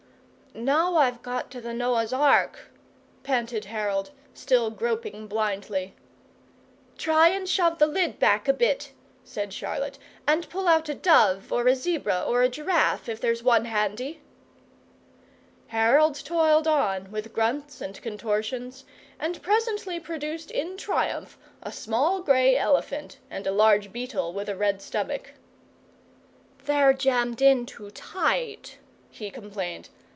"Now I've got to the Noah's Ark," panted Harold, still groping blindly. "Try and shove the lid back a bit," said Charlotte, "and pull out a dove or a zebra or a giraffe if there's one handy." Harold toiled on with grunts and contortions, and presently produced in triumph a small grey elephant and a large beetle with a red stomach. "They're jammed in too tight," he complained.